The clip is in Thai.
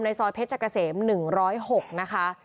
ในซอยเพชรกะเสม๑๐๖นะคะ